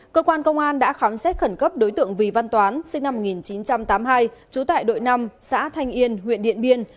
cơ quan công an đã khám xét khẩn cấp đối tượng vì văn toán sinh năm một nghìn chín trăm tám mươi hai trú tại đội năm xã thanh yên huyện điện biên